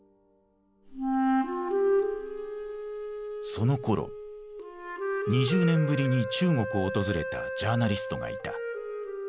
そのころ２０年ぶりに中国を訪れたジャーナリストがいた。